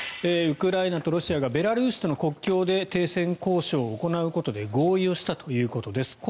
ウクライナとロシアがベラルーシとの国境で停戦交渉を行うことで合意をしたということです。